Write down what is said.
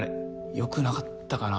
良くなかったかな？